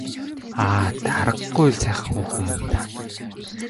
Аа даа аргагүй л сайхан хүүхэн юм даа.